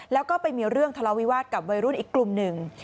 แล้วก็ไปมีเรื่องทะเลาวิวาสกับวัยรุ่นอีกกลุ่มหนึ่ง